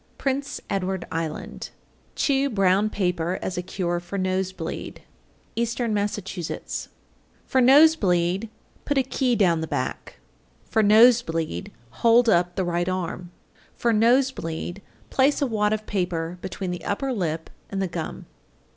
Prince Edward Island. 855. Chew brown paper as a cure for nose bleed. Eastern Massachusetts. 856. For nose bleed, put a key down the back. 857. For nose bleed, hold up the right arm. 858. For nose bleed, place a wad of paper between the upper lip and the gum.